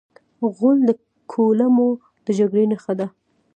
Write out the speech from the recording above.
غول د کولمو د جګړې نښه ده.